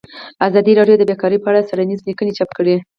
ازادي راډیو د بیکاري په اړه څېړنیزې لیکنې چاپ کړي.